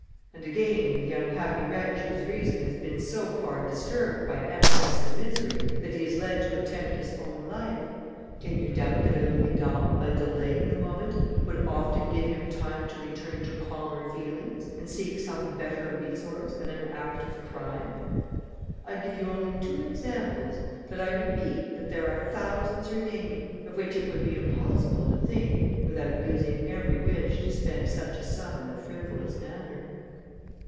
And again, the unhappy wretch whose reason has been so far disturbed by excess of misery, that he is led to attempt his own life, can you doubt that a louis d'or, by delaying the moment, would often give him time to return to calmer feelings, and seek some better resource than an act of crime? I give you only two examples, but I repeat, that there are thousands remaining, of which it would be impossible to think, without losing every wish to spend such a sum in a frivolous manner."